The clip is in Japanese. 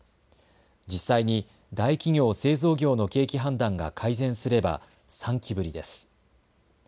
実際に大企業・製造業の景気判断が改善すれば３期ぶりです。